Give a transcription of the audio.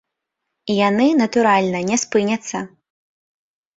І яны, натуральна, не спыняцца.